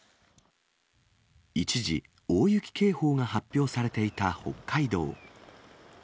一時、大雪警報が発表されていた北海道。